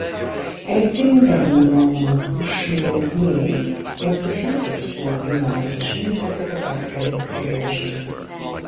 Acting Governor Norman Bushnell Willey was defeated for renomination at the Republican convention.